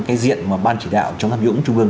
cái diện mà ban chỉ đạo chống tham nhũng trung ương